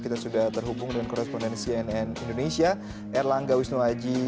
kita sudah terhubung dengan koresponden cnn indonesia erlangga wisnuaji